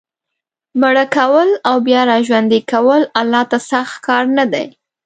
مړه کول او بیا را ژوندي کول الله ته سخت کار نه دی.